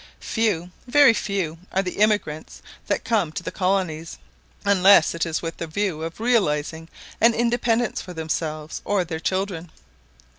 Few, very few, are the emigrants that come to the colonies, unless it is with the view of realising an independence for themselves or their children.